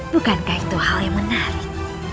bukankah itu hal yang menarik